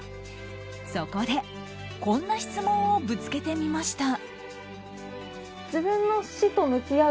そこでこんな質問をぶつけてみました。